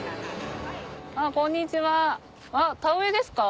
こんにちはあっ田植えですか？